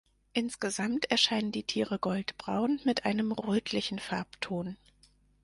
Insgesamt erscheinen die Tiere goldbraun mit einem rötlichen Farbton.